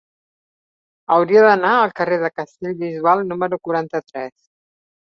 Hauria d'anar al carrer de Castellbisbal número quaranta-tres.